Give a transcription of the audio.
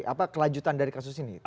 apa kelanjutan dari kasus ini